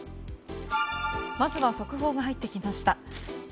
まずは速報が入ってきました。